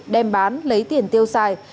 đem bán lấy tiền tiêu xài